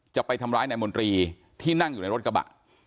จะไปทำร้ายนายมนตรีที่นั่งอยู่ในรถกระบะ